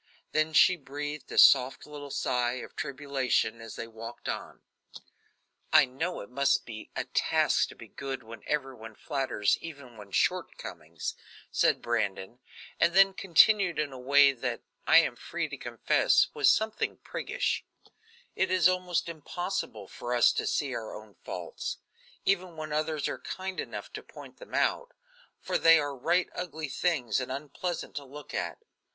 Then she breathed a soft little sigh of tribulation as they walked on. "I know it must be a task to be good when everybody flatters even one's shortcomings," said Brandon, and then continued in a way that, I am free to confess, was something priggish: "It is almost impossible for us to see our own faults, even when others are kind enough to point them out, for they are right ugly things and unpleasant to look upon.